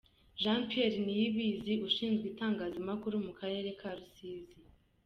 Jean Pierre Niyibizi ushinzwe itangazamakuru mu Karere ka Rusizi.